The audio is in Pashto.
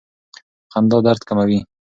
خندا درد کموي.